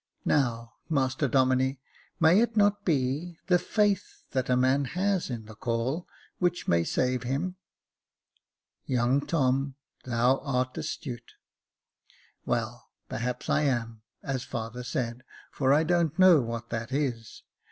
Now, Master Domine, may it not be the faith that a man has in the caul which may save him ?"" Young Tom, thou art astute." " Well, perhaps I am, as father said, for I don't know what that is.